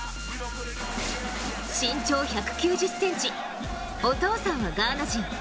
身長１９０ｃｍ、お父さんはガーナ人。